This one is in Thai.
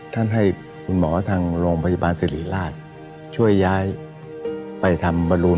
ให้คุณหมอทางโรงพยาบาลสิริราชช่วยย้ายไปทำบรูน